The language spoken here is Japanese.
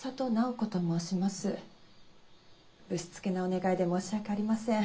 ぶしつけなお願いで申し訳ありません。